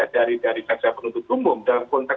dari tansia penuntut umum dalam kontak